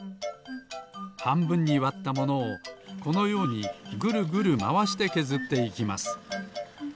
はんぶんにわったものをこのようにぐるぐるまわしてけずっていきます。